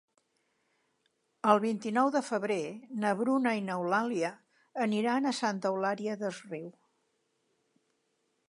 El vint-i-nou de febrer na Bruna i n'Eulàlia aniran a Santa Eulària des Riu.